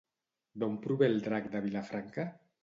D'on prové el Drac de Vilafranca?